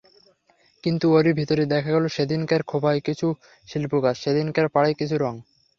কিন্তু ওরই ভিতরে দেখা গেল সেদিনকার খোঁপায় কিছু শিল্পকাজ, সেদিনকার পাড়ে কিছু রঙ।